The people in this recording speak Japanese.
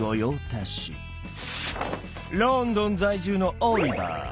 ロンドン在住のオリバー。